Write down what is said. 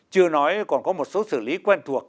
chưa nói còn có một số xử lý quen thuộc